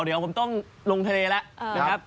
เดี๋ยวผมต้องลงทะเลแล้วนะครับ